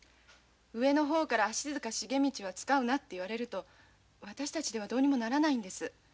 上の方から足塚茂道は使うなって言われると私たちではどうにもならないんです。